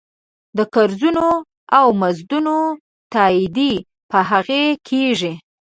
د قرضونو او مزدونو تادیه په هغې کېږي.